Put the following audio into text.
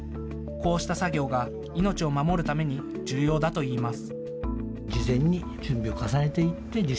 こうした作業が命を守るために重要だといいます。